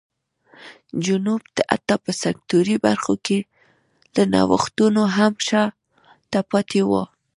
جنوب حتی په سکتوري برخو کې له نوښتونو هم شا ته پاتې و.